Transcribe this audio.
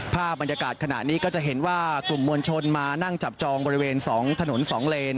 ภาพบรรยากาศขณะนี้ก็จะเห็นว่ากลุ่มมวลชนมานั่งจับจองบริเวณ๒ถนน๒เลน